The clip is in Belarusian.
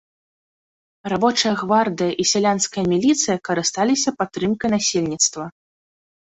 Рабочая гвардыя і сялянская міліцыя карысталіся падтрымкай насельніцтва.